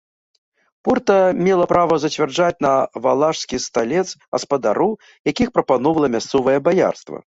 Порта мела права зацвярджаць на валашскі сталец гаспадароў, якіх прапаноўвала мясцовае баярства.